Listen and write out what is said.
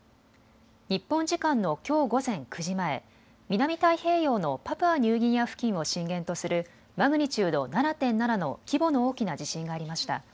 日本時間のきょう午前９時前、南太平洋のパプアニューギニア付近を震源とするマグニチュード７．７の規模の大きな地震がありました。